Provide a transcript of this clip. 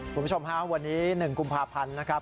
คุณผู้ชมฮะวันนี้๑กุมภาพันธ์นะครับ